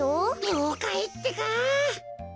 りょうかいってか。